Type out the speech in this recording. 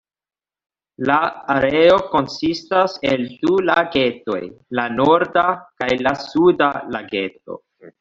La areo konsistas el du lagetoj, la "Norda" kaj la "Suda" Lageto.